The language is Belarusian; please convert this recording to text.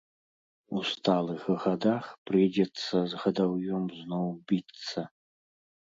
У сталых гадах прыйдзецца з гадаўём зноў біцца.